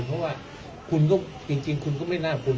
เพราะว่าคุณก็จริงคุณก็ไม่น่าคุณ